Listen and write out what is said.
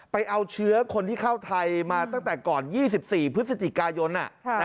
ไปเอาเชื้อคนที่เข้าไทยมาตั้งแต่ก่อน๒๔พฤศจิกายน